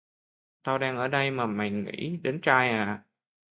Tao đang ở đây mà mày nghĩ đến trai à